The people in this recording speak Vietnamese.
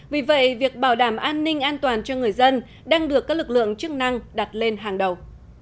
vì vậy việc bảo đảm an ninh an toàn cho người dân đang được các lực lượng chức năng đặt lên hàng đầu